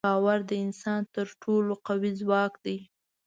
باور د انسان تر ټولو قوي ځواک دی.